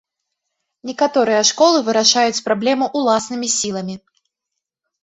Некаторыя школы вырашаюць праблему ўласнымі сіламі.